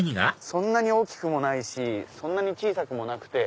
そんなに大きくもないしそんなに小さくもなくて。